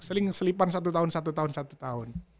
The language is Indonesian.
saling selipan satu tahun satu tahun satu tahun